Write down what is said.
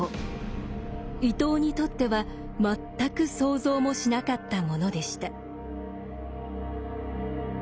伊藤にとっては全く想像もしなかったものでした。